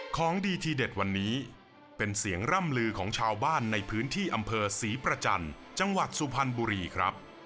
ของดีทีเด็ดวันนี้เป็นเสียงร่ำลือของชาวบ้านในพื้นที่อำเภอศรีประจันทร์จังหวัดสุพรรณบุรีครับ